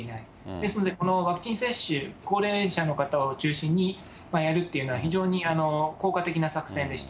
ですので、このワクチン接種、高齢者の方を中心にやるっていうのは、非常に効果的な作戦でした。